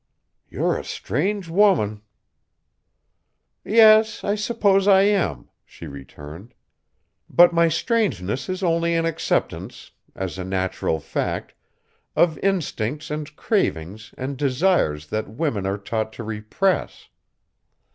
"You're a strange woman." "Yes, I suppose I am," she returned. "But my strangeness is only an acceptance, as a natural fact, of instincts and cravings and desires that women are taught to repress.